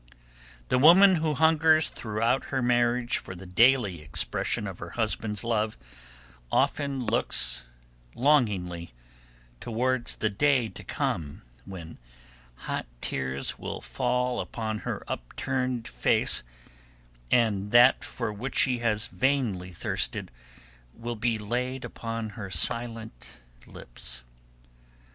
The woman who hungers throughout her marriage for the daily expression of her husband's love, often looks longingly towards the day to come, when hot tears will fall upon her upturned face and that for which she has vainly thirsted will be laid upon her silent lips.